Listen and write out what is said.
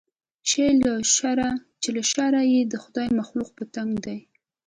چې له شره یې د خدای مخلوق په تنګ دی